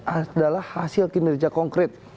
adalah hasil kinerja konkret